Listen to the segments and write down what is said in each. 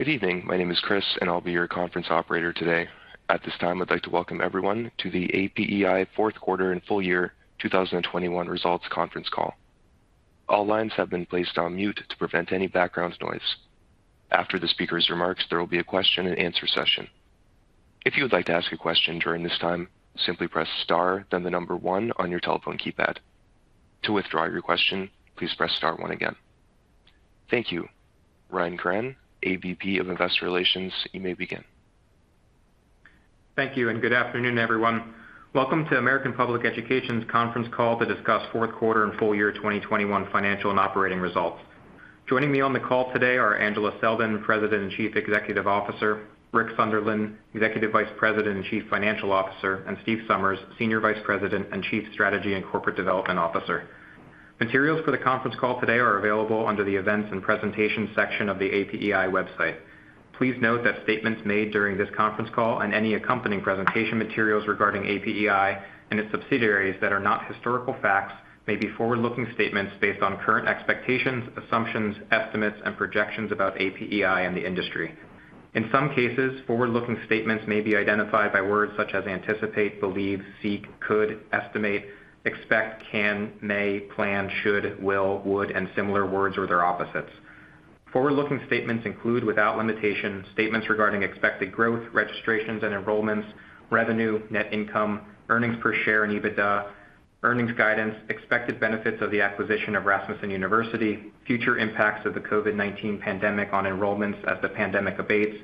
Good evening. My name is Chris, and I'll be your conference operator today. At this time, I'd like to welcome everyone to the APEI fourth quarter and full year 2021 results conference call. All lines have been placed on mute to prevent any background noise. After the speaker's remarks, there will be a question and answer session. If you would like to ask a question during this time, simply press star then the number one on your telephone keypad. To withdraw your question, please press star one again. Thank you. Ryan Koren, AVP of Investor Relations, you may begin. Thank you and good afternoon, everyone. Welcome to American Public Education's conference call to discuss fourth quarter and full year 2021 financial and operating results. Joining me on the call today are Angela Selden, President and Chief Executive Officer, Rick Sunderland, Executive Vice President and Chief Financial Officer, and Steve Somers, Senior Vice President and Chief Strategy and Corporate Development Officer. Materials for the conference call today are available under the Events and Presentation section of the APEI website. Please note that statements made during this conference call and any accompanying presentation materials regarding APEI and its subsidiaries that are not historical facts may be forward-looking statements based on current expectations, assumptions, estimates, and projections about APEI and the industry. In some cases, forward-looking statements may be identified by words such as anticipate, believe, seek, could, estimate, expect, can, may, plan, should, will, would, and similar words or their opposites. Forward-looking statements include, without limitation, statements regarding expected growth, registrations and enrollments, revenue, net income, earnings per share and EBITDA, earnings guidance, expected benefits of the acquisition of Rasmussen University, future impacts of the COVID-19 pandemic on enrollments as the pandemic abates,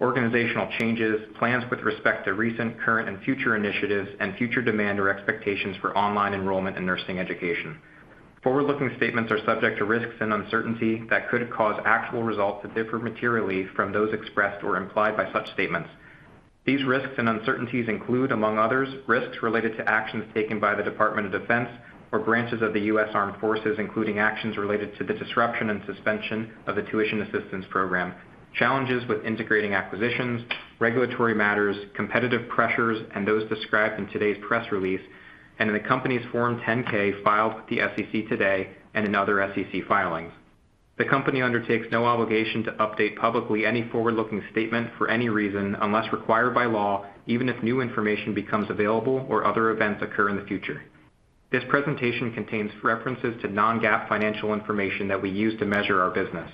organizational changes, plans with respect to recent, current and future initiatives and future demand or expectations for online enrollment in nursing education. Forward-looking statements are subject to risks and uncertainty that could cause actual results to differ materially from those expressed or implied by such statements. These risks and uncertainties include, among others, risks related to actions taken by the Department of Defense or branches of the U.S. Armed Forces, including actions related to the disruption and suspension of the Tuition Assistance Program, challenges with integrating acquisitions, regulatory matters, competitive pressures, and those described in today's press release and in the company's Form 10-K filed with the SEC today and in other SEC filings. The company undertakes no obligation to update publicly any forward-looking statement for any reason unless required by law, even if new information becomes available or other events occur in the future. This presentation contains references to non-GAAP financial information that we use to measure our business.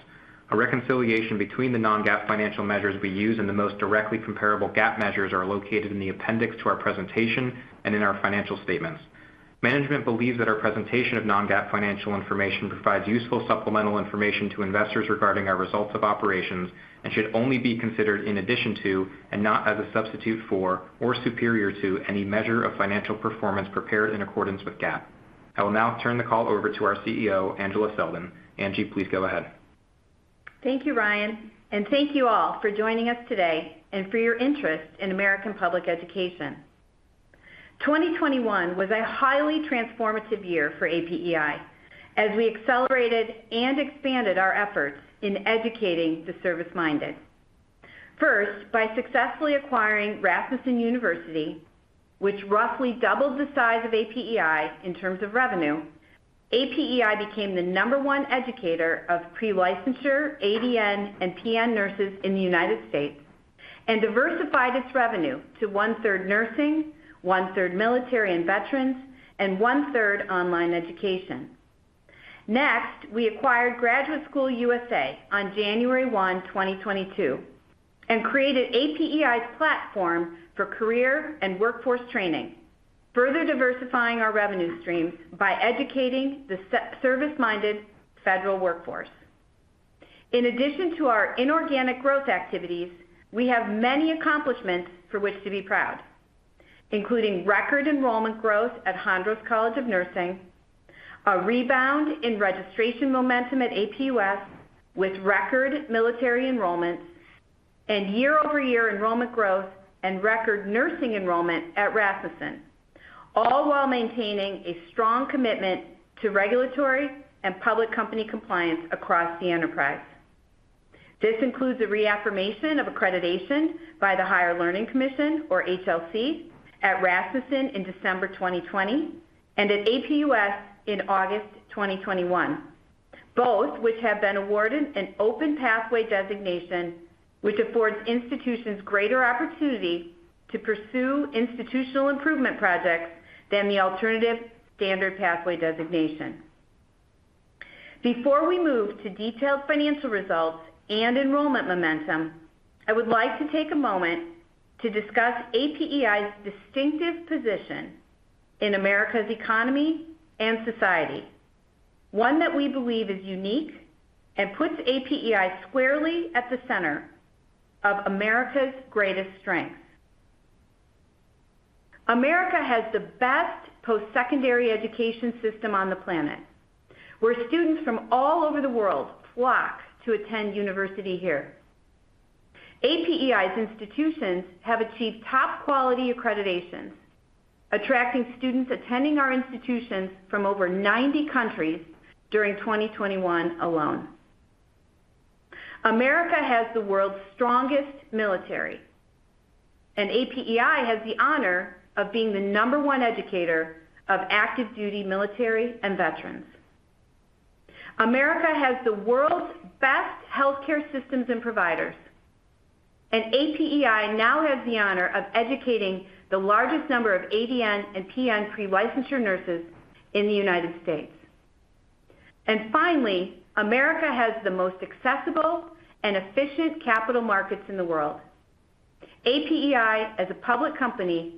A reconciliation between the non-GAAP financial measures we use and the most directly comparable GAAP measures are located in the appendix to our presentation and in our financial statements. Management believes that our presentation of non-GAAP financial information provides useful supplemental information to investors regarding our results of operations and should only be considered in addition to and not as a substitute for or superior to any measure of financial performance prepared in accordance with GAAP. I will now turn the call over to our CEO, Angela Selden. Angie, please go ahead. Thank you, Ryan, and thank you all for joining us today and for your interest in American Public Education. 2021 was a highly transformative year for APEI as we accelerated and expanded our efforts in educating the service-minded. First, by successfully acquiring Rasmussen University, which roughly doubled the size of APEI in terms of revenue, APEI became the number one educator of pre-licensure, ADN, and PN nurses in the United States and diversified its revenue to 1/3 nursing, 1/3 military and veterans, and 1/3 online education. Next, we acquired Graduate School USA on January 1, 2022, and created APEI's platform for career and workforce training, further diversifying our revenue streams by educating the service-minded federal workforce. In addition to our inorganic growth activities, we have many accomplishments for which to be proud, including record enrollment growth at Hondros College of Nursing, a rebound in registration momentum at APUS with record military enrollments, and year-over-year enrollment growth and record nursing enrollment at Rasmussen, all while maintaining a strong commitment to regulatory and public company compliance across the enterprise. This includes the reaffirmation of accreditation by the Higher Learning Commission or HLC at Rasmussen in December 2020 and at APUS in August 2021, both which have been awarded an Open Pathway designation, which affords institutions greater opportunity to pursue institutional improvement projects than the alternative Standard Pathway designation. Before we move to detailed financial results and enrollment momentum, I would like to take a moment to discuss APEI's distinctive position in America's economy and society, one that we believe is unique and puts APEI squarely at the center of America's greatest strengths. America has the best post-secondary education system on the planet, where students from all over the world flock to attend university here. APEI's institutions have achieved top quality accreditations, attracting students attending our institutions from over 90 countries during 2021 alone. America has the world's strongest military. APEI has the honor of being the number one educator of active duty military and veterans. America has the world's best healthcare systems and providers, and APEI now has the honor of educating the largest number of ADN and PN pre-licensure nurses in the United States. Finally, America has the most accessible and efficient capital markets in the world. APEI, as a public company,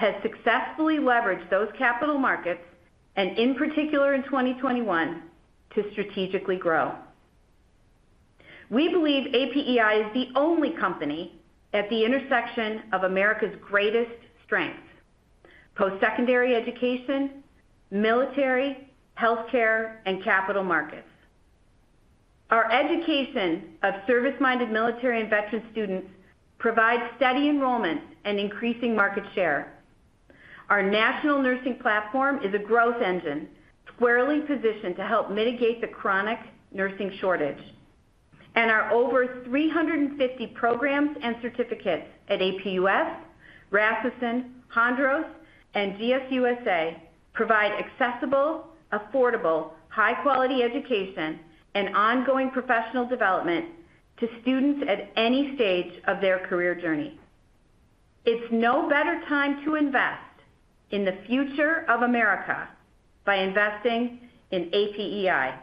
has successfully leveraged those capital markets, and in particular in 2021, to strategically grow. We believe APEI is the only company at the intersection of America's greatest strengths: post-secondary education, military, healthcare, and capital markets. Our education of service-minded military and veteran students provides steady enrollment and increasing market share. Our national nursing platform is a growth engine squarely positioned to help mitigate the chronic nursing shortage. Our over 350 programs and certificates at APUS, Rasmussen, Hondros, and GSUSA provide accessible, affordable, high-quality education and ongoing professional development to students at any stage of their career journey. There's no better time to invest in the future of America by investing in APEI.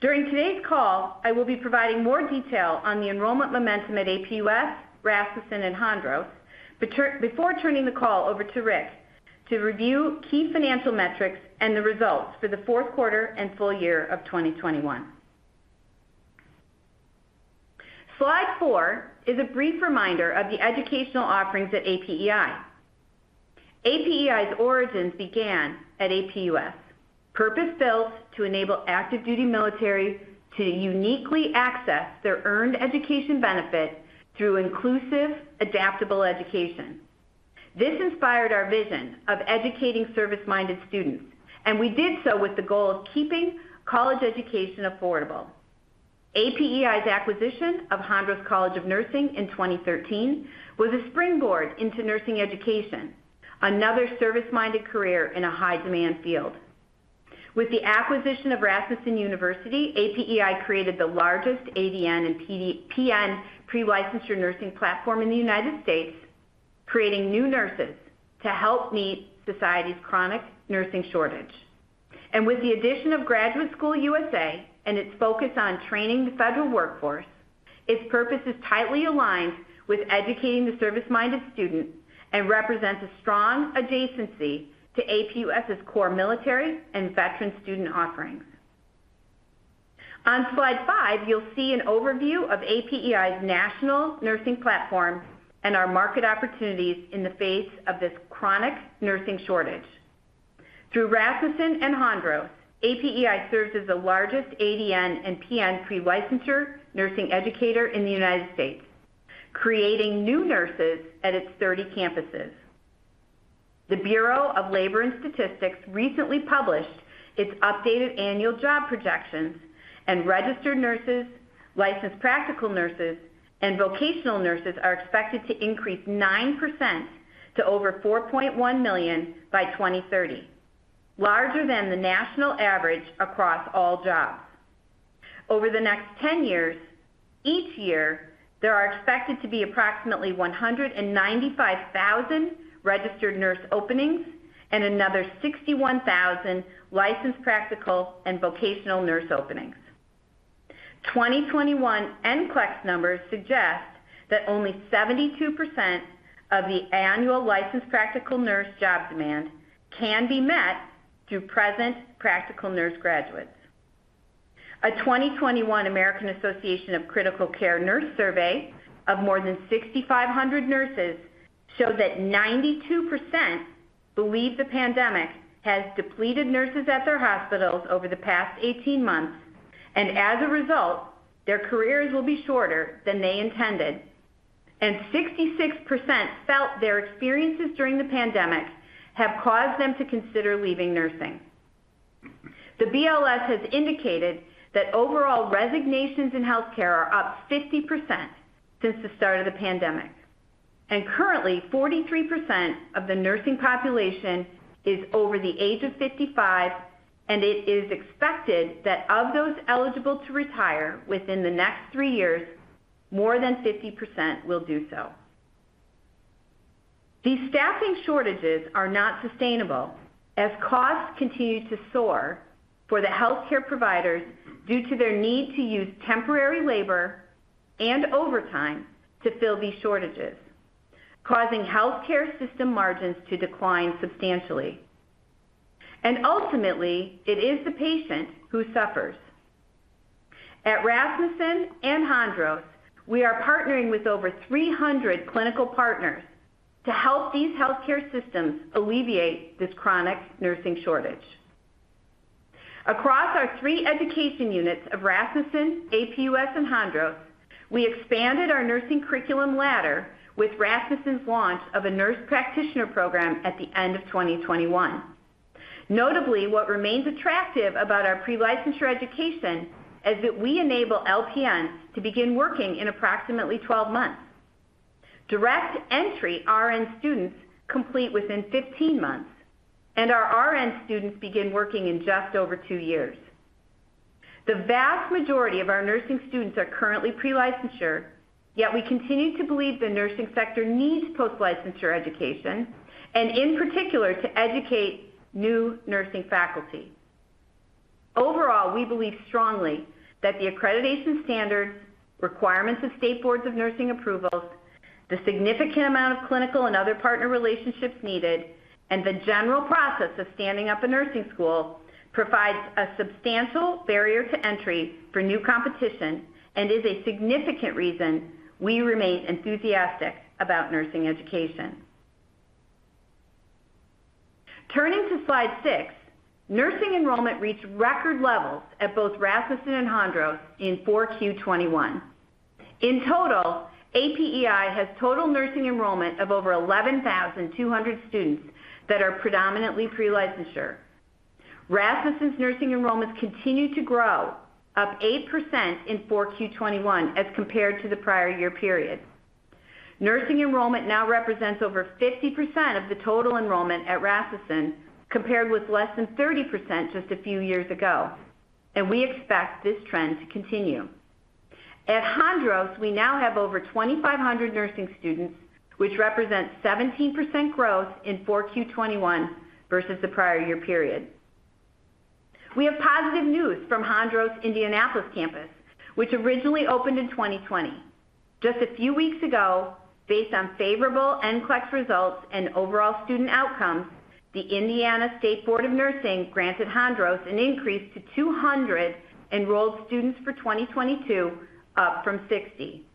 During today's call, I will be providing more detail on the enrollment momentum at APUS, Rasmussen, and Hondros, but before turning the call over to Rick to review key financial metrics and the results for the fourth quarter and full year of 2021. Slide four is a brief reminder of the educational offerings at APEI. APEI's origins began at APUS, purpose-built to enable active duty military to uniquely access their earned education benefit through inclusive, adaptable education. This inspired our vision of educating service-minded students, and we did so with the goal of keeping college education affordable. APEI's acquisition of Hondros College of Nursing in 2013 was a springboard into nursing education, another service-minded career in a high-demand field. With the acquisition of Rasmussen University, APEI created the largest ADN and PN pre-licensure nursing platform in the United States, creating new nurses to help meet society's chronic nursing shortage. With the addition of Graduate School USA and its focus on training the federal workforce, its purpose is tightly aligned with educating the service-minded student and represents a strong adjacency to APUS's core military and veteran student offerings. On slide 5, you'll see an overview of APEI's national nursing platform and our market opportunities in the face of this chronic nursing shortage. Through Rasmussen and Hondros, APEI serves as the largest ADN and PN pre-licensure nursing educator in the United States, creating new nurses at its 30 campuses. The Bureau of Labor Statistics recently published its updated annual job projections, and registered nurses, licensed practical nurses, and vocational nurses are expected to increase 9% to over 4.1 million by 2030, larger than the national average across all jobs. Over the next 10 years, each year, there are expected to be approximately 195,000 registered nurse openings and another 61,000 licensed practical and vocational nurse openings. 2021 NCLEX numbers suggest that only 72% of the annual licensed practical nurse job demand can be met through present practical nurse graduates. A 2021 American Association of Critical-Care Nurses survey of more than 6,500 nurses showed that 92% believe the pandemic has depleted nurses at their hospitals over the past 18 months, and as a result, their careers will be shorter than they intended. 66% felt their experiences during the pandemic have caused them to consider leaving nursing. The BLS has indicated that overall resignations in healthcare are up 50% since the start of the pandemic. Currently, 43% of the nursing population is over the age of 55, and it is expected that of those eligible to retire within the next 3 years, more than 50% will do so. These staffing shortages are not sustainable as costs continue to soar for the healthcare providers due to their need to use temporary labor and overtime to fill these shortages, causing healthcare system margins to decline substantially. Ultimately, it is the patient who suffers. At Rasmussen and Hondros, we are partnering with over 300 clinical partners to help these healthcare systems alleviate this chronic nursing shortage. Across our three education units of Rasmussen, APUS, and Hondros, we expanded our nursing curriculum ladder with Rasmussen's launch of a nurse practitioner program at the end of 2021. Notably, what remains attractive about our pre-licensure education is that we enable LPNs to begin working in approximately 12 months. Direct entry RN students complete within 15 months, and our RN students begin working in just over 2 years. The vast majority of our nursing students are currently pre-licensure, yet we continue to believe the nursing sector needs post-licensure education and in particular to educate new nursing faculty. Overall, we believe strongly that the accreditation standards, requirements of state boards of nursing approvals, the significant amount of clinical and other partner relationships needed, and the general process of standing up a nursing school provides a substantial barrier to entry for new competition and is a significant reason we remain enthusiastic about nursing education. Turning to slide 6, nursing enrollment reached record levels at both Rasmussen and Hondros in 4Q 2021. In total, APEI has total nursing enrollment of over 11,200 students that are predominantly pre-licensure. Rasmussen's nursing enrollments continue to grow, up 8% in 4Q 2021 as compared to the prior year period. Nursing enrollment now represents over 50% of the total enrollment at Rasmussen, compared with less than 30% just a few years ago. We expect this trend to continue. At Hondros, we now have over 2,500 nursing students, which represents 17% growth in 4Q 2021 versus the prior year period. We have positive news from Hondros Indianapolis campus, which originally opened in 2020. Just a few weeks ago, based on favorable NCLEX results and overall student outcomes, the Indiana State Board of Nursing granted Hondros an increase to 200 enrolled students for 2022, up from 60.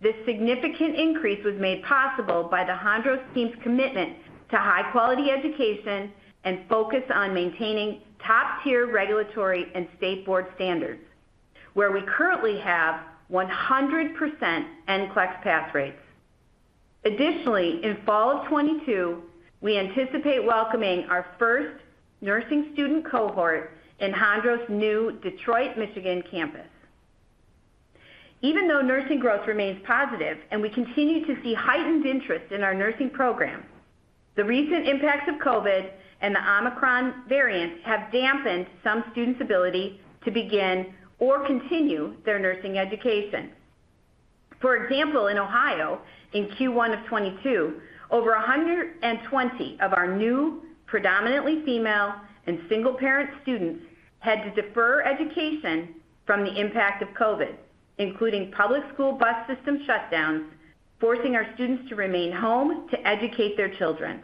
This significant increase was made possible by the Hondros team's commitment to high-quality education and focus on maintaining top-tier regulatory and state board standards, where we currently have 100% NCLEX pass rates. Additionally, in fall of 2022, we anticipate welcoming our first nursing student cohort in Hondros' new Detroit, Michigan campus. Even though nursing growth remains positive and we continue to see heightened interest in our nursing programs, the recent impacts of COVID and the Omicron variant have dampened some students' ability to begin or continue their nursing education. For example, in Ohio, in Q1 of 2022, over 120 of our new predominantly female and single-parent students had to defer education from the impact of COVID, including public school bus system shutdowns, forcing our students to remain home to educate their children.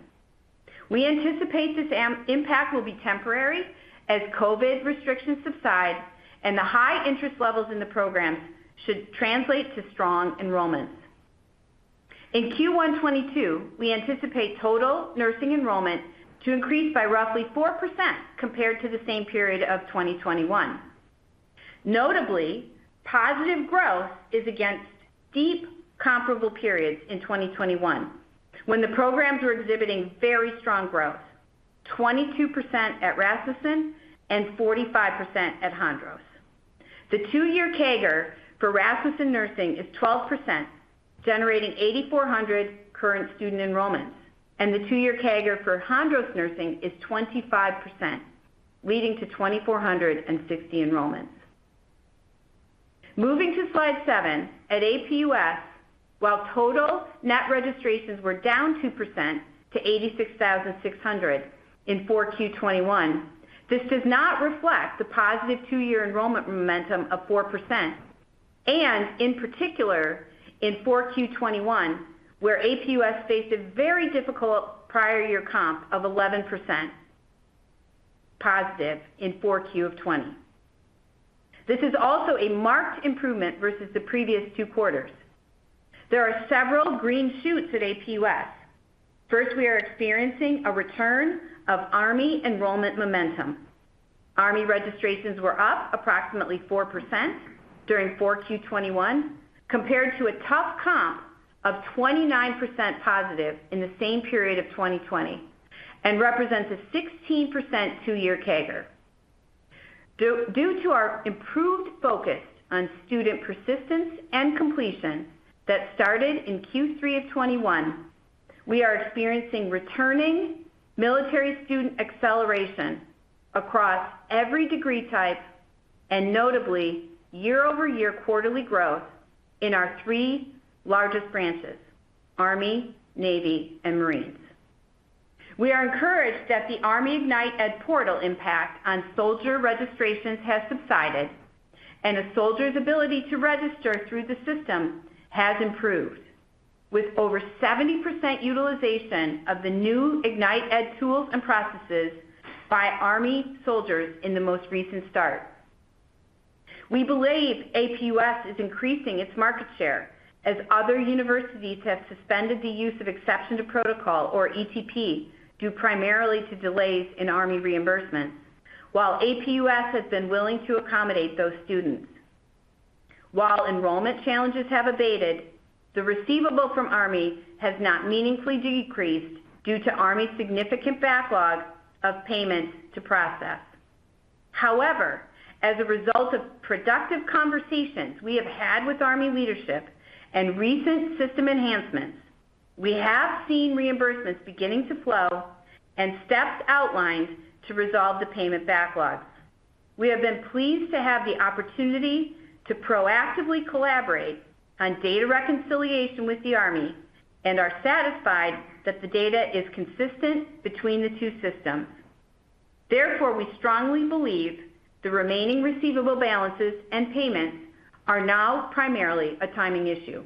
We anticipate this impact will be temporary as COVID restrictions subside and the high interest levels in the programs should translate to strong enrollments. In Q1 2022, we anticipate total nursing enrollment to increase by roughly 4% compared to the same period of 2021. Notably, positive growth is against deep comparable periods in 2021 when the programs were exhibiting very strong growth, 22% at Rasmussen and 45% at Hondros. The two-year CAGR for Rasmussen Nursing is 12%, generating 8,400 current student enrollments, and the two-year CAGR for Hondros Nursing is 25%, leading to 2,460 enrollments. Moving to slide 7, at APUS, while total net registrations were down 2% to 86,600 in 4Q 2021, this does not reflect the positive two-year enrollment momentum of 4%, and in particular, in 4Q 2021, where APUS faced a very difficult prior year comp of 11% positive in 4Q of 2020. This is also a marked improvement versus the previous two quarters. There are several green shoots at APUS. First, we are experiencing a return of Army enrollment momentum. Army registrations were up approximately 4% during 4Q 2021 compared to a tough comp of 29% positive in the same period of 2020 and represents a 16% two-year CAGR. Due to our improved focus on student persistence and completion that started in Q3 of 2021, we are experiencing returning military student acceleration across every degree type and notably year-over-year quarterly growth in our three largest branches, Army, Navy, and Marines. We are encouraged that the ArmyIgnitED Portal impact on soldier registrations has subsided and a soldier's ability to register through the system has improved with over 70% utilization of the new ArmyIgnitED tools and processes by Army soldiers in the most recent start. We believe APUS is increasing its market share as other universities have suspended the use of Exception to Protocol, or ETP, due primarily to delays in Army reimbursement, while APUS has been willing to accommodate those students. While enrollment challenges have abated, the receivable from Army has not meaningfully decreased due to Army's significant backlog of payments to process. However, as a result of productive conversations we have had with Army leadership and recent system enhancements, we have seen reimbursements beginning to flow and steps outlined to resolve the payment backlogs. We have been pleased to have the opportunity to proactively collaborate on data reconciliation with the Army and are satisfied that the data is consistent between the two systems. Therefore, we strongly believe the remaining receivable balances and payments are now primarily a timing issue.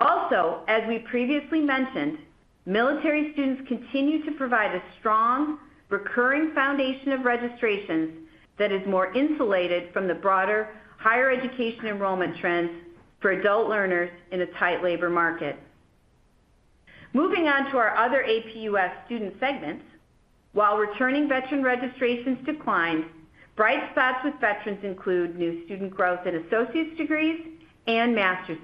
Also, as we previously mentioned, military students continue to provide a strong recurring foundation of registrations that is more insulated from the broader higher education enrollment trends for adult learners in a tight labor market. Moving on to our other APUS student segments. While returning veteran registrations declined, bright spots with veterans include new student growth in associate's degrees and master's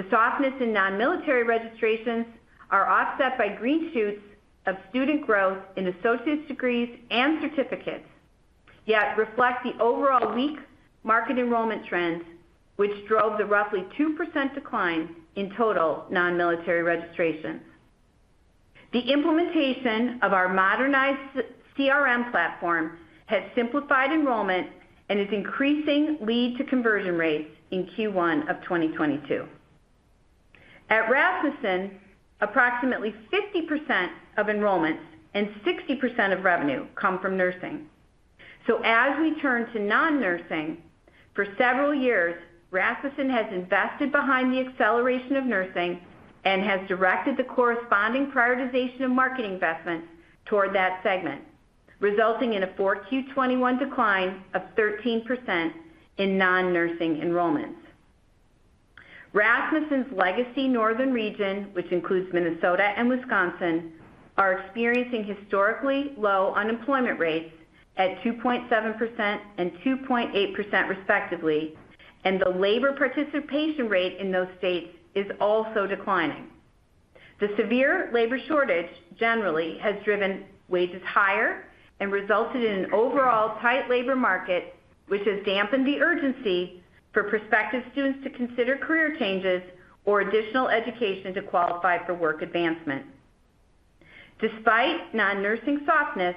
degrees. The softness in non-military registrations are offset by green shoots of student growth in associate's degrees and certificates, yet reflect the overall weak market enrollment trends, which drove the roughly 2% decline in total non-military registrations. The implementation of our modernized CRM platform has simplified enrollment and is increasing lead to conversion rates in Q1 of 2022. At Rasmussen, approximately 50% of enrollments and 60% of revenue come from nursing. As we turn to non-nursing, for several years, Rasmussen has invested behind the acceleration of nursing and has directed the corresponding prioritization of marketing investments toward that segment, resulting in a 4Q 2021 decline of 13% in non-nursing enrollments. Rasmussen's legacy northern region, which includes Minnesota and Wisconsin, are experiencing historically low unemployment rates at 2.7% and 2.8% respectively, and the labor participation rate in those states is also declining. The severe labor shortage generally has driven wages higher and resulted in an overall tight labor market, which has dampened the urgency for prospective students to consider career changes or additional education to qualify for work advancement. Despite non-nursing softness,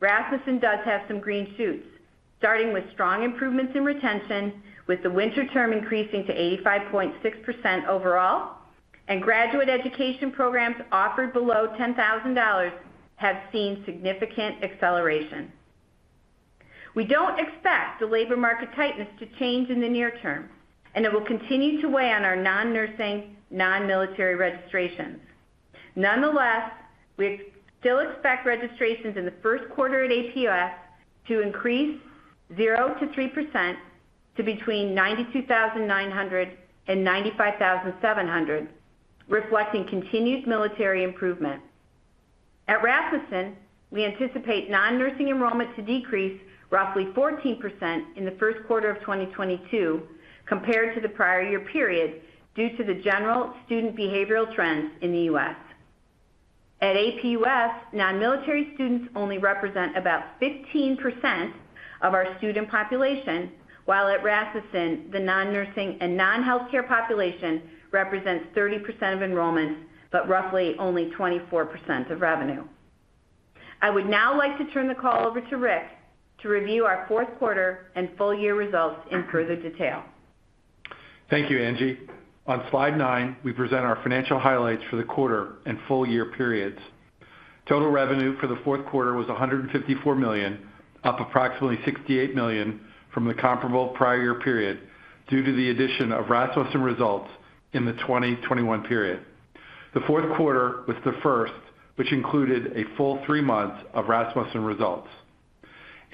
Rasmussen does have some green shoots, starting with strong improvements in retention, with the winter term increasing to 85.6% overall, and graduate education programs offered below $10,000 have seen significant acceleration. We don't expect the labor market tightness to change in the near term, and it will continue to weigh on our non-nursing, non-military registrations. Nonetheless, we still expect registrations in the first quarter at APUS to increase 0%-3% to between 92,900 and 95,700, reflecting continued military improvement. At Rasmussen, we anticipate non-nursing enrollment to decrease roughly 14% in the first quarter of 2022 compared to the prior year period due to the general student behavioral trends in the U.S. At APUS, non-military students only represent about 15% of our student population, while at Rasmussen, the non-nursing and non-healthcare population represents 30% of enrollment, but roughly only 24% of revenue. I would now like to turn the call over to Rick to review our fourth quarter and full year results in further detail. Thank you, Angie. On Slide 9, we present our financial highlights for the quarter and full year periods. Total revenue for the fourth quarter was $154 million, up approximately $68 million from the comparable prior year period due to the addition of Rasmussen results in the 2021 period. The fourth quarter was the first which included a full three months of Rasmussen results.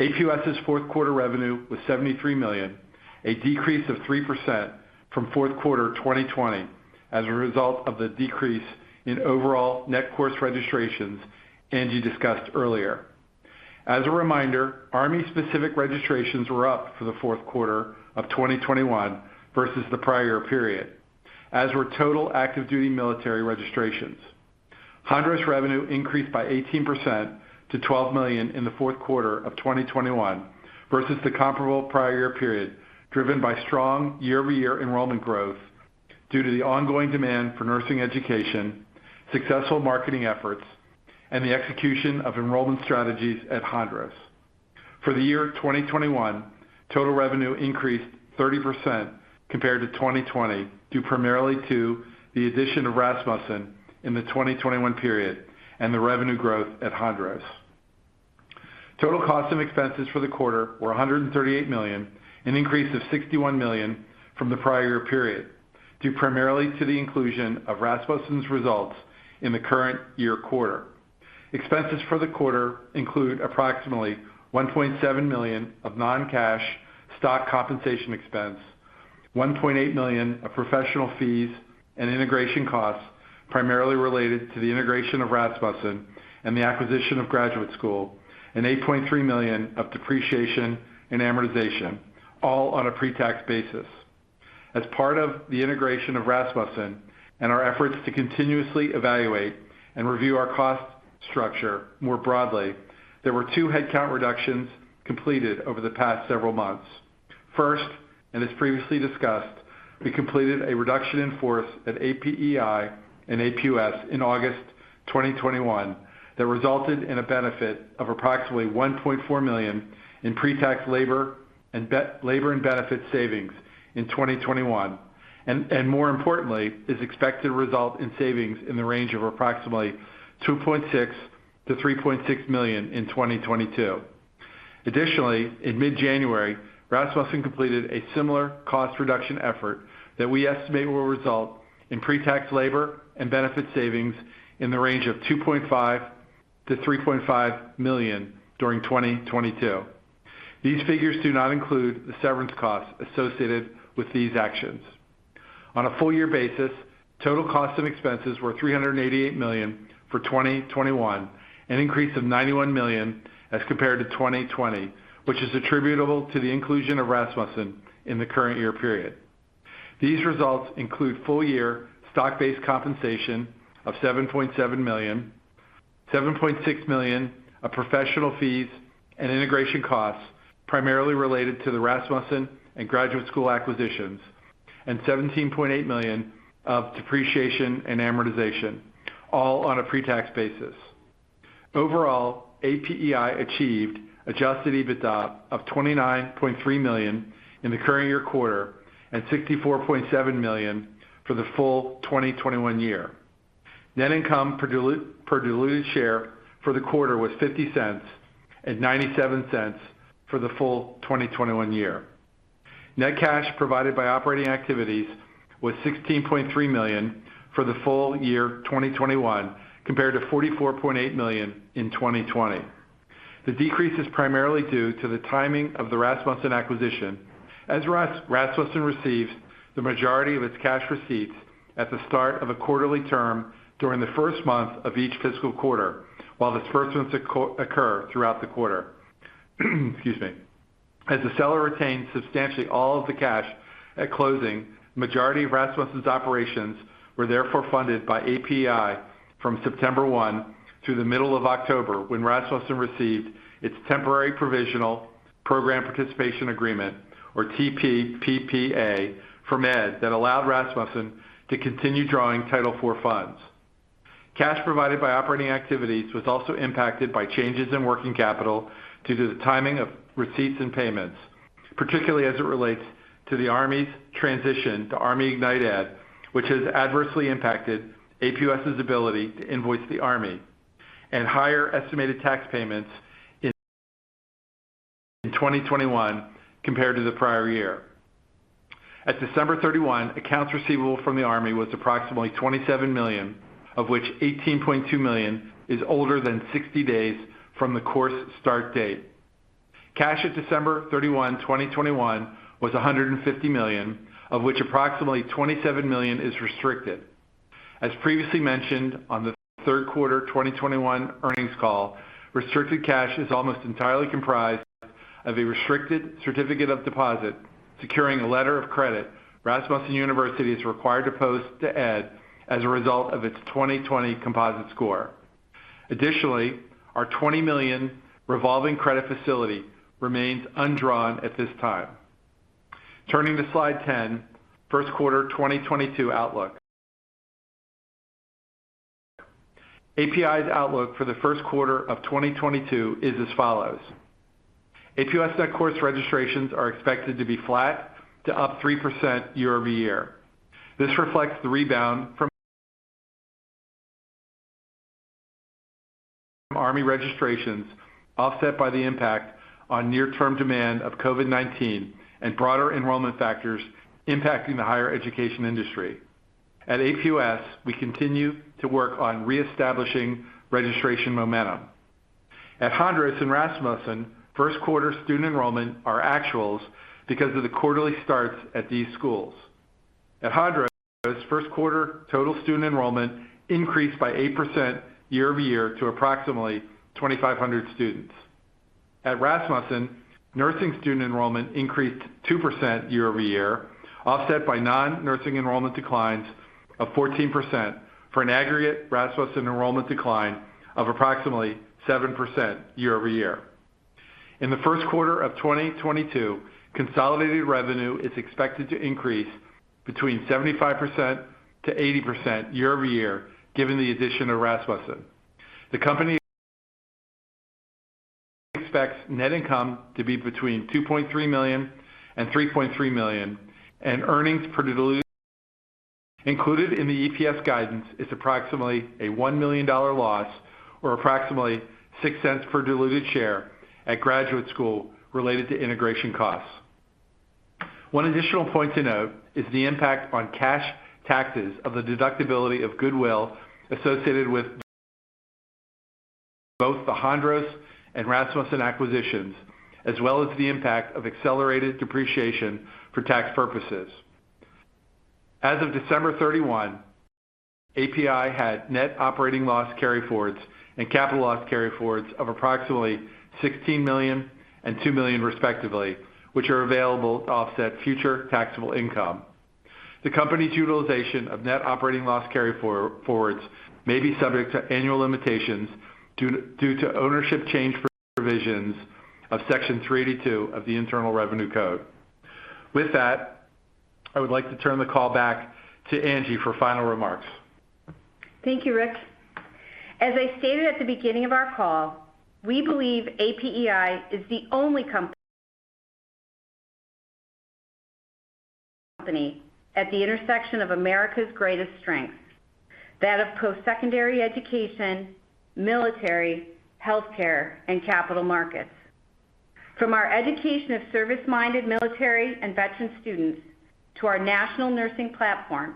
APUS's fourth quarter revenue was $73 million, a decrease of 3% from fourth quarter 2020 as a result of the decrease in overall net course registrations Angie discussed earlier. As a reminder, Army-specific registrations were up for the fourth quarter of 2021 versus the prior period, as were total active duty military registrations. Hondros revenue increased by 18% to $12 million in the fourth quarter of 2021 versus the comparable prior year period, driven by strong year-over-year enrollment growth due to the ongoing demand for nursing education, successful marketing efforts, and the execution of enrollment strategies at Hondros. For the year 2021, total revenue increased 30% compared to 2020, due primarily to the addition of Rasmussen in the 2021 period and the revenue growth at Hondros. Total cost and expenses for the quarter were $138 million, an increase of $61 million from the prior year period, due primarily to the inclusion of Rasmussen's results in the current year quarter. Expenses for the quarter include approximately $1.7 million of non-cash stock compensation expense, $1.8 million of professional fees and integration costs primarily related to the integration of Rasmussen and the acquisition of graduate school, and $8.3 million of depreciation and amortization, all on a pre-tax basis. As part of the integration of Rasmussen and our efforts to continuously evaluate and review our cost structure more broadly, there were two headcount reductions completed over the past several months. First, and as previously discussed, we completed a reduction in force at APEI and APUS in August 2021 that resulted in a benefit of approximately $1.4 million in pre-tax labor and benefit savings in 2021, and more importantly, it is expected to result in savings in the range of approximately $2.6 million-$3.6 million in 2022. Additionally, in mid-January, Rasmussen completed a similar cost reduction effort that we estimate will result in pre-tax labor and benefit savings in the range of $2.5 million-$3.5 million during 2022. These figures do not include the severance costs associated with these actions. On a full year basis, total costs and expenses were $388 million for 2021, an increase of $91 million as compared to 2020, which is attributable to the inclusion of Rasmussen in the current year period. These results include full year stock-based compensation of $7.7 million, $7.6 million of professional fees and integration costs, primarily related to the Rasmussen and Graduate School acquisitions, and $17.8 million of depreciation and amortization, all on a pre-tax basis. Overall, APEI achieved adjusted EBITDA of $29.3 million in the current year quarter and $64.7 million for the full 2021 year. Net income per diluted share for the quarter was $0.50 and $0.97 for the full 2021 year. Net cash provided by operating activities was $16.3 million for the full year 2021, compared to $44.8 million in 2020. The decrease is primarily due to the timing of the Rasmussen acquisition. As Rasmussen received the majority of its cash receipts at the start of a quarterly term during the first month of each fiscal quarter, while disbursements occur throughout the quarter. Excuse me. As the seller retained substantially all of the cash at closing, majority of Rasmussen's operations were therefore funded by APEI from September 1 through the middle of October, when Rasmussen received its temporary provisional program participation agreement or TPPPA from ED that allowed Rasmussen to continue drawing Title IV funds. Cash provided by operating activities was also impacted by changes in working capital due to the timing of receipts and payments, particularly as it relates to the Army's transition to ArmyIgnitED, which has adversely impacted APUS's ability to invoice the Army, and higher estimated tax payments in 2021 compared to the prior year. At December 31, accounts receivable from the Army was approximately $27 million, of which $18.2 million is older than 60 days from the course start date. Cash at December 31, 2021 was $150 million, of which approximately $27 million is restricted. As previously mentioned on the third quarter 2021 earnings call, restricted cash is almost entirely comprised of a restricted certificate of deposit securing a letter of credit Rasmussen University is required to post to ED as a result of its 2020 composite score. Additionally, our $20 million revolving credit facility remains undrawn at this time. Turning to slide 10, first quarter 2022 outlook. APEI's outlook for the first quarter of 2022 is as follows. APUS net course registrations are expected to be flat to up 3% year-over-year. This reflects the rebound from Army registrations offset by the impact on near-term demand of COVID-19 and broader enrollment factors impacting the higher education industry. At APUS, we continue to work on reestablishing registration momentum. At Hondros and Rasmussen, first quarter student enrollment are actuals because of the quarterly starts at these schools. At Hondros, first quarter total student enrollment increased by 8% year-over-year to approximately 2,500 students. At Rasmussen, nursing student enrollment increased 2% year-over-year, offset by non-nursing enrollment declines of 14% for an aggregate Rasmussen enrollment decline of approximately 7% year-over-year. In the first quarter of 2022, consolidated revenue is expected to increase between 75%-80% year-over-year, given the addition of Rasmussen. The company expects net income to be between $2.3 million and $3.3 million. Included in the EPS guidance is approximately a $1 million loss or approximately $0.06 per diluted share at Graduate School related to integration costs. One additional point to note is the impact on cash taxes of the deductibility of goodwill associated with both the Hondros and Rasmussen acquisitions, as well as the impact of accelerated depreciation for tax purposes. As of December 31, APEI had net operating loss carryforwards and capital loss carryforwards of approximately $16 million and $2 million respectively, which are available to offset future taxable income. The company's utilization of net operating loss carryforwards may be subject to annual limitations due to ownership change provisions of Section 382 of the Internal Revenue Code. With that, I would like to turn the call back to Angie for final remarks. Thank you, Rick. As I stated at the beginning of our call, we believe APEI is the only company at the intersection of America's greatest strengths, that of post-secondary education, military, healthcare, and capital markets. From our education of service-minded military and veteran students to our national nursing platform,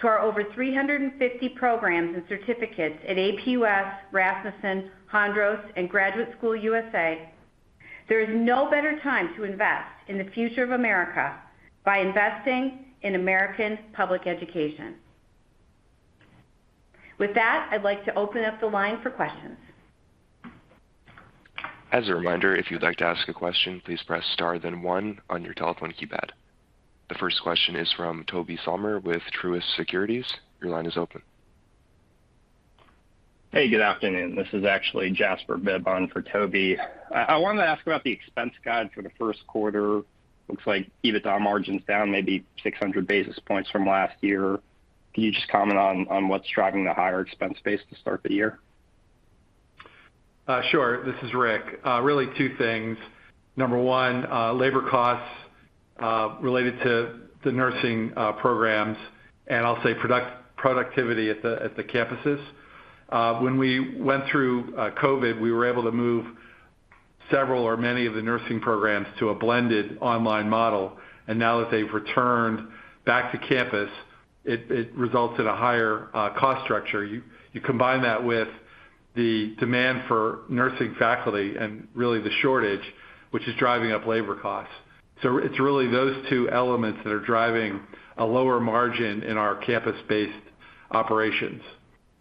to our over 350 programs and certificates at APUS, Rasmussen, Hondros and Graduate School USA, there is no better time to invest in the future of America by investing in American Public Education. With that, I'd like to open up the line for questions. As a reminder, if you'd like to ask a question, please press star then one on your telephone keypad. The first question is from Tobey Sommer with Truist Securities. Your line is open. Hey, good afternoon. This is actually Jasper Bibb on for Tobey. I wanted to ask about the expense guide for the first quarter. Looks like EBITDA margin's down maybe 600 basis points from last year. Can you just comment on what's driving the higher expense base to start the year? Sure. This is Rick. Really two things. Number one, labor costs related to the nursing programs, and I'll say productivity at the campuses. When we went through COVID, we were able to move several or many of the nursing programs to a blended online model. Now that they've returned back to campus, it results in a higher cost structure. You combine that with the demand for nursing faculty and really the shortage, which is driving up labor costs. So it's really those two elements that are driving a lower margin in our campus-based operations.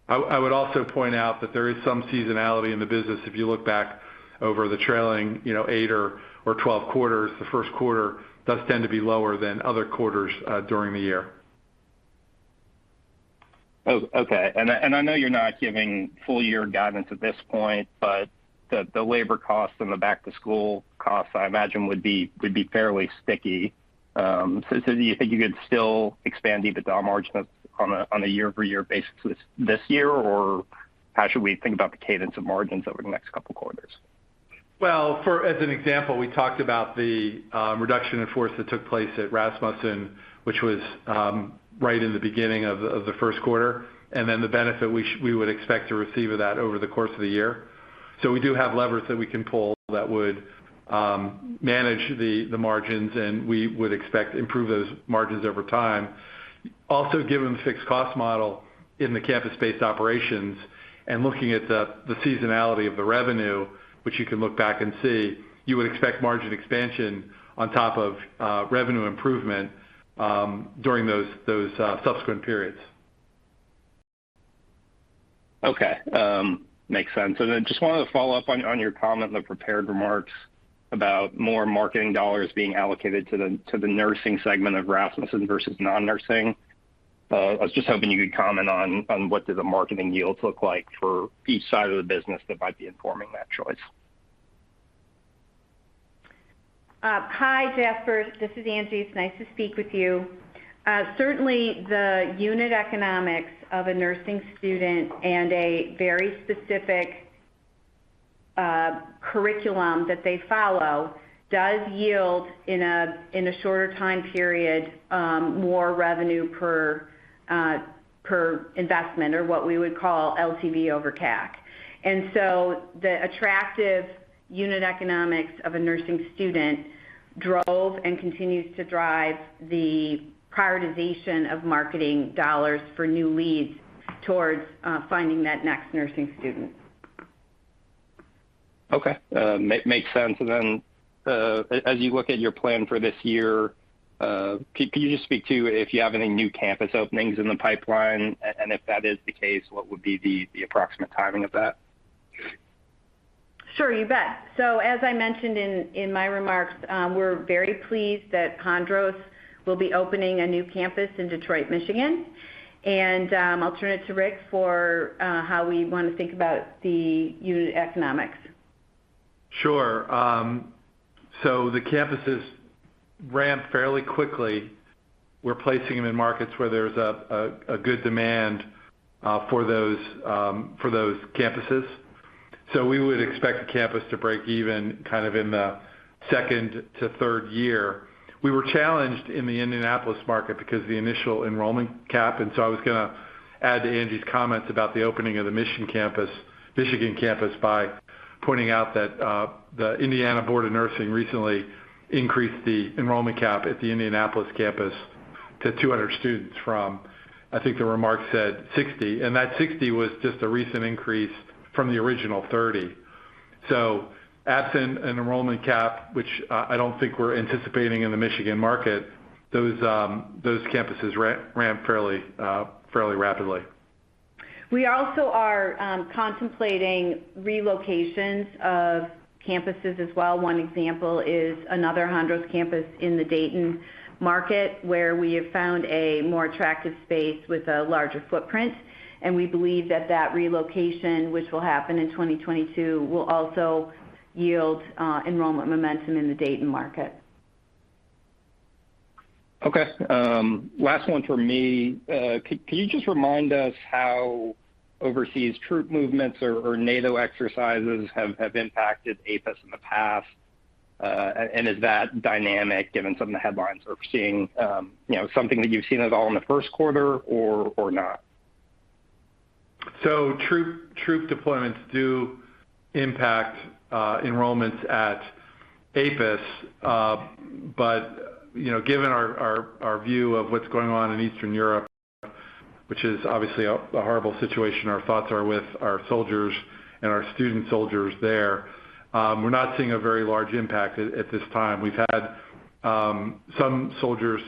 I would also point out that there is some seasonality in the business. If you look back over the trailing, you know, eight or 12 quarters, the first quarter does tend to be lower than other quarters during the year. Oh, okay. I know you're not giving full year guidance at this point, but the labor costs and the back-to-school costs, I imagine would be fairly sticky. Do you think you could still expand EBITDA margins on a year-over-year basis this year? Or how should we think about the cadence of margins over the next couple of quarters? Well, for example, we talked about the reduction in force that took place at Rasmussen, which was right in the beginning of the first quarter, and then the benefit we would expect to receive of that over the course of the year. We do have levers that we can pull that would manage the margins, and we would expect to improve those margins over time. Also, given the fixed cost model in the campus-based operations and looking at the seasonality of the revenue, which you can look back and see, you would expect margin expansion on top of revenue improvement during those subsequent periods. Okay. Makes sense. Just wanted to follow up on your comment in the prepared remarks about more marketing dollars being allocated to the nursing segment of Rasmussen versus non-nursing. I was just hoping you could comment on what do the marketing yields look like for each side of the business that might be informing that choice. Hi, Jasper. This is Angie. It's nice to speak with you. Certainly, the unit economics of a nursing student and a very specific curriculum that they follow does yield in a shorter time period more revenue per investment or what we would call LTV over CAC. The attractive unit economics of a nursing student drove and continues to drive the prioritization of marketing dollars for new leads towards finding that next nursing student. Okay. Makes sense. As you look at your plan for this year, can you just speak to if you have any new campus openings in the pipeline? If that is the case, what would be the approximate timing of that? Sure, you bet. As I mentioned in my remarks, we're very pleased that Hondros will be opening a new campus in Detroit, Michigan. I'll turn it to Rick for how we wanna think about the unit economics. Sure. The campuses ramp fairly quickly. We're placing them in markets where there's a good demand for those campuses. We would expect the campus to break even kind of in the second to third year. We were challenged in the Indianapolis market because the initial enrollment cap, and I was gonna add to Angie's comments about the opening of the Michigan Campus by pointing out that the Indiana State Board of Nursing recently increased the enrollment cap at the Indianapolis campus to 200 students from, I think the remark said 60. That 60 was just a recent increase from the original 30. Absent an enrollment cap, which I don't think we're anticipating in the Michigan market, those campuses ran fairly rapidly. We also are contemplating relocations of campuses as well. One example is another Hondros campus in the Dayton market, where we have found a more attractive space with a larger footprint. We believe that relocation, which will happen in 2022, will also yield enrollment momentum in the Dayton market. Okay. Last one for me. Can you just remind us how overseas troop movements or NATO exercises have impacted APUS in the past? Is that dynamic given some of the headlines we're seeing, you know, something that you've seen at all in the first quarter or not? Troop deployments do impact enrollments at APUS. But you know, given our view of what's going on in Eastern Europe, which is obviously a horrible situation, our thoughts are with our soldiers and our student soldiers there. We're not seeing a very large impact at this time. We've had some soldiers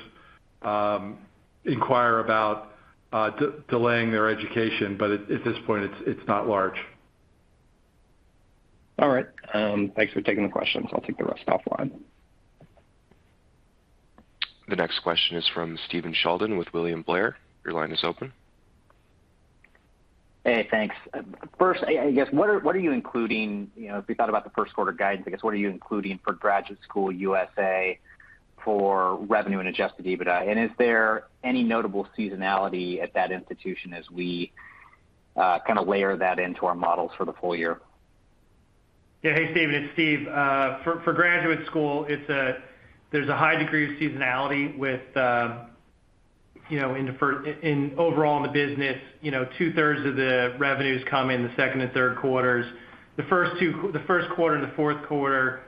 inquire about delaying their education, but at this point, it's not large. All right. Thanks for taking the questions. I'll take the rest offline. The next question is from Stephen Sheldon with William Blair. Your line is open. Hey, thanks. First, you know, as we thought about the first quarter guidance, I guess, what are you including for Graduate School USA for revenue and adjusted EBITDA? And is there any notable seasonality at that institution as we kinda layer that into our models for the full year? Yeah. Hey, Stephen, it's Steve Somers. For graduate school, there's a high degree of seasonality with you know in the overall business. You know, two-thirds of the revenues come in the second and third quarters. The first quarter and the fourth quarter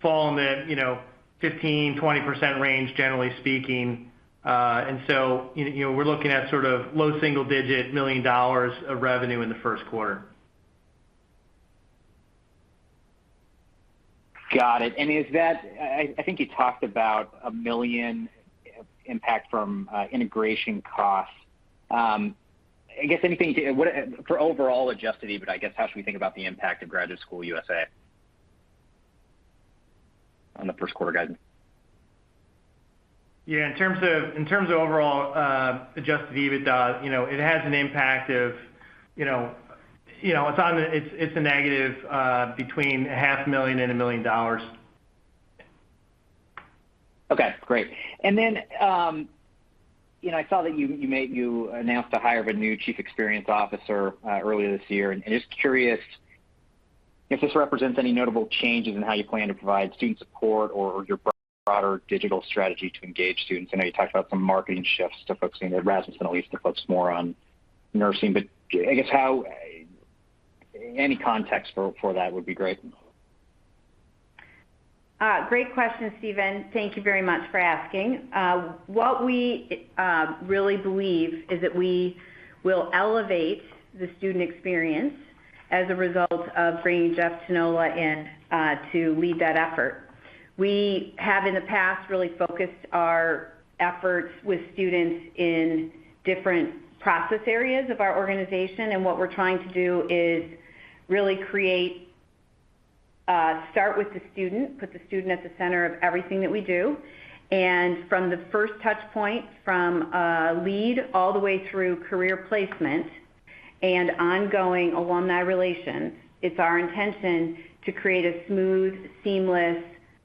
fall in the 15%-20% range, generally speaking. You know, we're looking at sort of low single-digit $ million of revenue in the first quarter. Got it. Is that, I think you talked about $1 million impact from integration costs. I guess, for overall adjusted EBITDA, I guess, how should we think about the impact of Graduate School USA on the first quarter guidance? Yeah, in terms of overall adjusted EBITDA, you know, it has an impact of, you know, it's a negative between a half million and a million dollars. Okay, great. You know, I saw that you announced the hire of a new Chief Experience Officer earlier this year. Just curious if this represents any notable changes in how you plan to provide student support or your broader digital strategy to engage students. I know you talked about some marketing shifts to focusing at Rasmussen at least to focus more on nursing. I guess. Any context for that would be great. Great question, Stephen. Thank you very much for asking. What we really believe is that we will elevate the student experience as a result of bringing Jeff Tennola in to lead that effort. We have in the past really focused our efforts with students in different process areas of our organization. What we're trying to do is really start with the student, put the student at the center of everything that we do. From the first touch point, from lead all the way through career placement and ongoing alumni relations, it's our intention to create a smooth, seamless,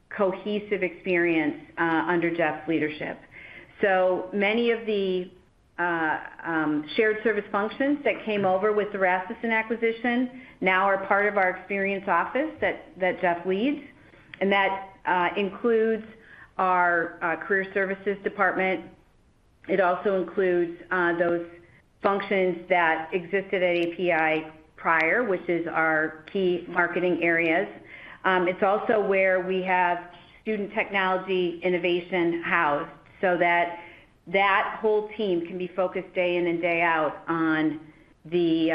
cohesive experience under Jeff's leadership. So many of the shared service functions that came over with the Rasmussen acquisition now are part of our experience office that Jeff leads. That includes our career services department. It also includes those functions that existed at APEI prior, which is our key marketing areas. It's also where we have student technology innovation housed, so that whole team can be focused day in and day out on the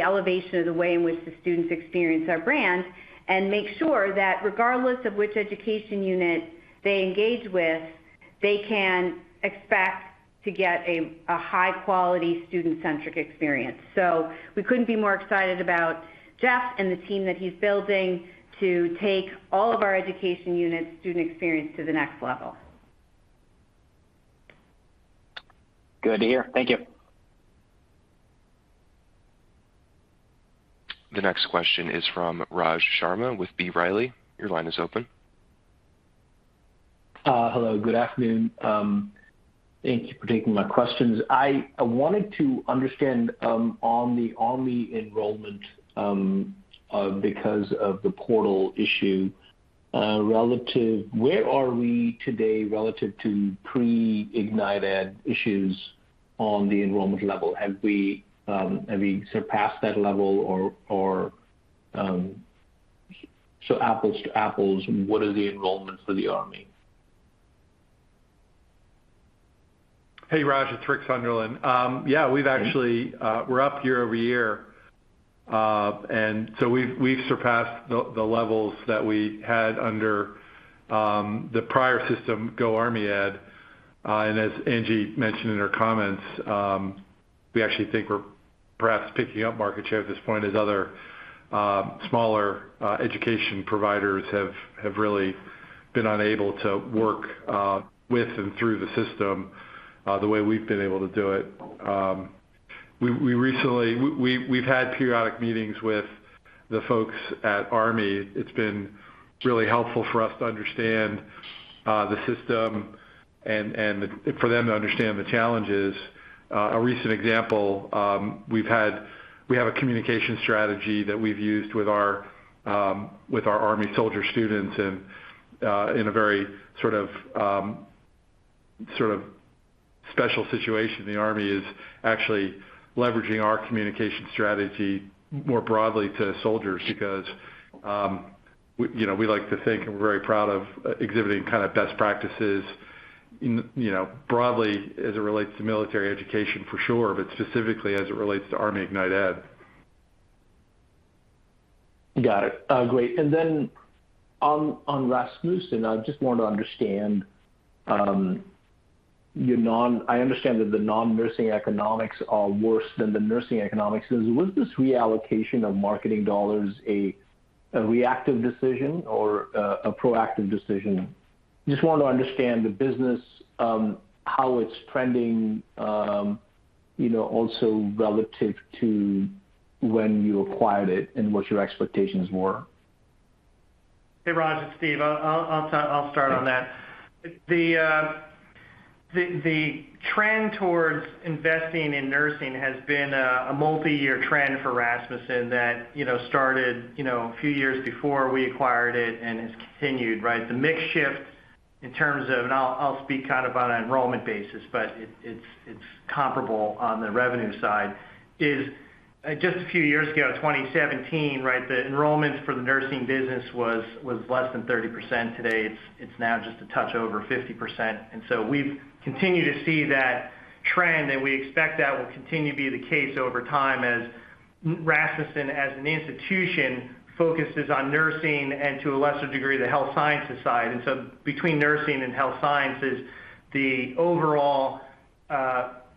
elevation of the way in which the students experience our brand and make sure that regardless of which education unit they engage with, they can expect to get a high-quality student-centric experience. We couldn't be more excited about Jeff and the team that he's building to take all of our education units student experience to the next level. Good to hear. Thank you. The next question is from Raj Sharma with B. Riley. Your line is open. Hello, good afternoon. Thank you for taking my questions. I wanted to understand on the enrollment because of the portal issue. Where are we today relative to pre-IgnitED issues on the enrollment level? Have we surpassed that level or apples to apples, what are the enrollments for the Army? Hey, Raj, it's Rick Sunderland. Yeah, we've actually we're up year-over-year. We've surpassed the levels that we had under the prior system, GoArmyEd. As Angie mentioned in her comments, we actually think we're perhaps picking up market share at this point as other smaller education providers have really been unable to work with and through the system the way we've been able to do it. We've recently had periodic meetings with the folks at Army. It's been really helpful for us to understand the system and for them to understand the challenges. A recent example, we have a communication strategy that we've used with our Army soldier students and in a very sort of special situation. The Army is actually leveraging our communication strategy more broadly to soldiers because, we, you know, we like to think and we're very proud of exhibiting kind of best practices, you know, broadly as it relates to military education for sure, but specifically as it relates to ArmyIgnitED. Got it. Great. On Rasmussen, I just want to understand, I understand that the non-nursing economics are worse than the nursing economics. Was this reallocation of marketing dollars a reactive decision or a proactive decision? I just want to understand the business, how it's trending, you know, also relative to when you acquired it and what your expectations were. Hey, Raj, it's Steve. I'll start on that. The trend towards investing in nursing has been a multi-year trend for Rasmussen that you know started you know a few years before we acquired it and has continued, right? The mix shift in terms of, and I'll speak kind of on an enrollment basis, but it's comparable on the revenue side, is just a few years ago, 2017, right, the enrollments for the nursing business was less than 30%. Today, it's now just a touch over 50%. We've continued to see that trend, and we expect that will continue to be the case over time as Rasmussen as an institution focuses on nursing and to a lesser degree, the health sciences side. Between nursing and health sciences, the overall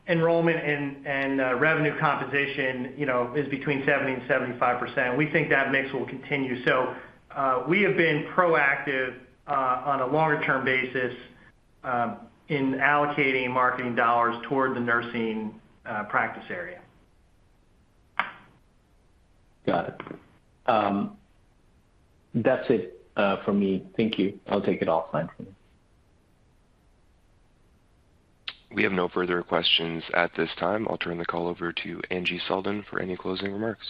enrollment and revenue composition, you know, is between 70% and 75%. We think that mix will continue. We have been proactive on a longer-term basis in allocating marketing dollars toward the nursing practice area. Got it. That's it, from me. Thank you. I'll take it offline. We have no further questions at this time. I'll turn the call over to Angie Selden for any closing remarks.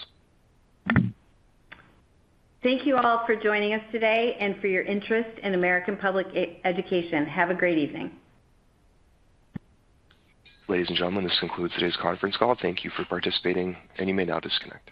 Thank you all for joining us today and for your interest in American Public Education. Have a great evening. Ladies and gentlemen, this concludes today's conference call. Thank you for participating, and you may now disconnect.